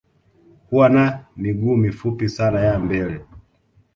Huwa na miguu mifupi sana ya mbele